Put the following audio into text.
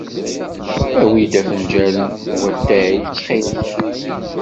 Awey-d afenjal n watay, ttxil-k.